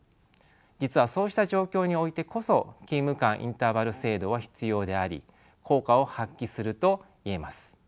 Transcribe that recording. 実はそうした状況においてこそ勤務間インターバル制度は必要であり効果を発揮すると言えます。